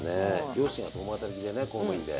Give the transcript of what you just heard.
両親が共働きでね公務員で。